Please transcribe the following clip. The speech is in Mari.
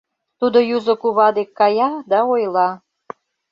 Тудо юзо кува дек кая да ойла: